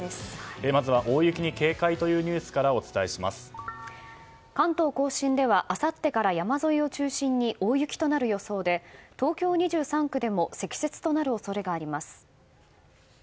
まずは大雪に警戒というニュースから関東・甲信ではあさってから山沿いを中心に大雪となる予想で東京２３区でも積雪となる恐れがあります。